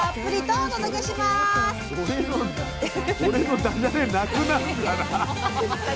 俺の俺のダジャレなくなるから。